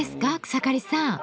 草刈さん。